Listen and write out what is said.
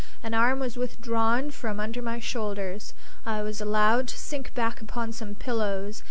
An arm was withdrawn from under my shoulders. I was allowed to sink back upon some pillows.